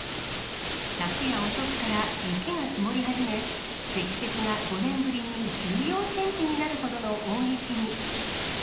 昨夜遅くから雪が積もり始め、積雪が５年ぶりに１４センチになるほどの大雪に。